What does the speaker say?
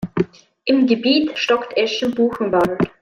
Im Gebiet stockt Eschen-Buchenwald.